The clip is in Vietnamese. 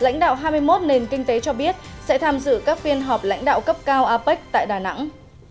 lãnh đạo hai mươi một nền kinh tế cho biết sẽ tham dự các phiên họp lãnh đạo cấp cao apec tại đà nẵng